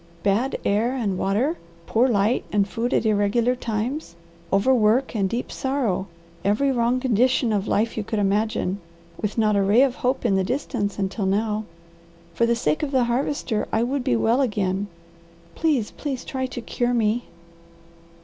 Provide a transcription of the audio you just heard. "Bad air and water, poor light and food at irregular times, overwork and deep sorrow; every wrong condition of life you could imagine, with not a ray of hope in the distance, until now. For the sake of the Harvester, I would be well again. Please, please try to cure me!"